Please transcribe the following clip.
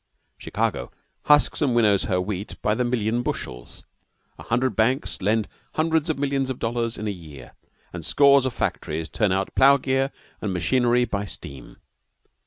Chicago husks and winnows her wheat by the million bushels, a hundred banks lend hundreds of millions of dollars in the year, and scores of factories turn out plow gear and machinery by steam.